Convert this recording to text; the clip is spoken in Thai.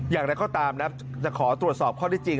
อย่างนั้นข้อตามนะครับจะขอตรวจสอบข้อที่จริง